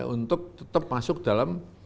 untuk tetap masuk dalam